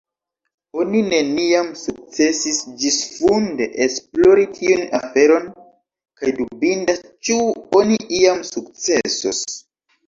Oni neniam sukcesis ĝisfunde esplori tiun aferon, kaj dubindas ĉu oni iam sukcesos.